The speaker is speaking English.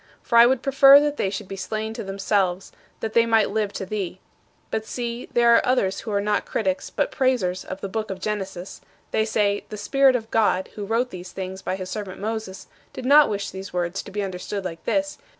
For I would prefer that they should be slain to themselves, that they might live to thee. But see, there are others who are not critics but praisers of the book of Genesis; they say: "The Spirit of God who wrote these things by his servant Moses did not wish these words to be understood like this.